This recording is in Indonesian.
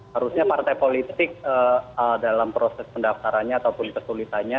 harusnya partai politik dalam proses pendaftarannya ataupun kesulitannya